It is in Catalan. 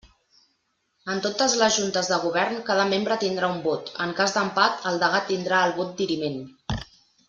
En totes les Juntes de Govern cada membre tindrà un vot, en cas d'empat el degà tindrà el vot diriment.